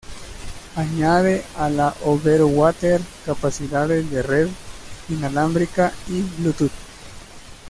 Añade a la Overo Water capacidades de red inalámbrica y Bluetooth.